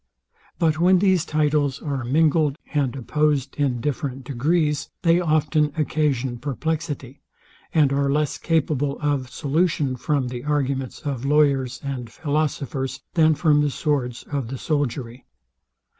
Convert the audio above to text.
But when these titles are mingled and opposed in different degrees, they often occasion perplexity; and are less capable of solution from the arguments of lawyers and philosophers, than from the swords of the soldiery.